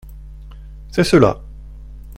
C’est cela.